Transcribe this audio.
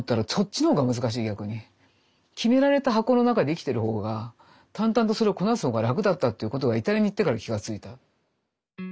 決められた箱の中で生きてる方が淡々とそれをこなす方が楽だったっていうことがイタリアに行ってから気が付いた。